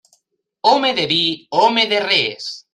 Home de vi, home de res.